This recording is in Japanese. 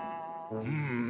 うん。